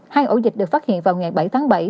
hai ổ dịch được phát hiện vào ngày bảy tháng bảy